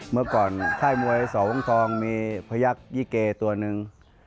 เมื่อก่อนค่ายมวยสองทองมีพยักษ์ยี่เกตัวหนึ่ง